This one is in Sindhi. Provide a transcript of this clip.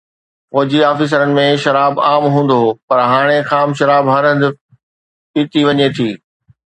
فوجي آفيسرن ۾ شراب عام هوندو هو، پر هاڻي خام شراب هر هنڌ پيئي وڃي ٿي